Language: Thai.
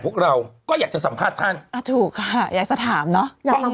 พวกเราก็อยากจะสัมภาษณ์ท่านอ่าถูกค่ะอยากจะถามเนอะอยากฟัง